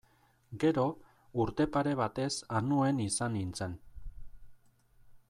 Gero, urte pare batez Anuen izan nintzen.